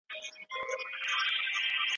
چي هر چېرته خر د کور بام ته سي پورته